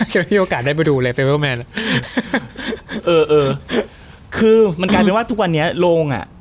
จะมีโอกาสได้ไปดูเลยเฟอร์แมนเออเออคือมันกลายเป็นว่าทุกวันนี้โรงอ่ะ